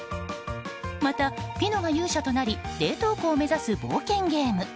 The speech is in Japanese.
また、ピノが勇者となり冷凍庫を目指す冒険ゲーム。